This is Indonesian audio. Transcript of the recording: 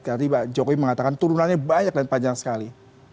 tadi pak jokowi mengatakan turunannya banyak dan panjang sekali